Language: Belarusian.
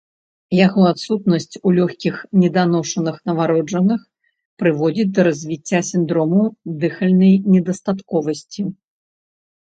Яго адсутнасць у лёгкіх неданошаных нованароджаных прыводзіць да развіцця сіндрому дыхальнай недастатковасці.